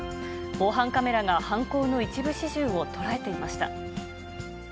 防犯カメラが犯行の一部始終を捉えていました。